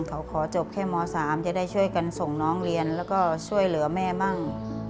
เขาขอจบแค่ม๓จะได้ช่วยกันส่งน้องเรียนแล้วก็ช่วยเหลือแม่มั่ง